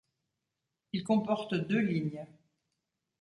Il comporte deux lignes.